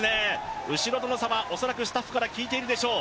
後ろとの差は恐らくスタッフから聞いているでしょう。